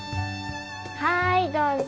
はいどうぞ！